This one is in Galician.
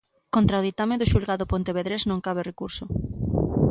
Contra o ditame do xulgado pontevedrés non cabe recurso.